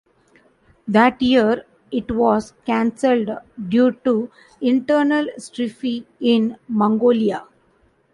That year, it was cancelled due to internal strife in Mongolia.